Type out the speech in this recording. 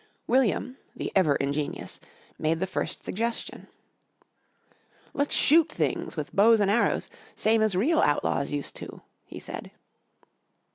William, the ever ingenious, made the first suggestion. "Let's shoot things with bows an' arrows same as real outlaws used to," he said.